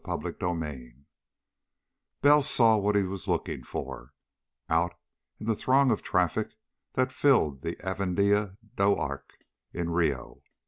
CHAPTER III Bell saw what he was looking for, out in the throng of traffic that filled the Avenida do Acre, in Rio.